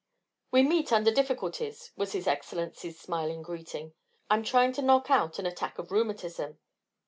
"We meet under difficulties," was his Excellency's smiling greeting. "I'm trying to knock out an attack of rheumatism."